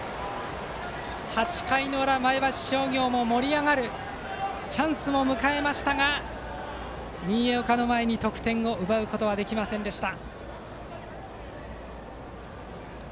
８回の裏、前橋商業も盛り上がるチャンスを迎えましたが新岡の前に得点を奪うことはできませんでした。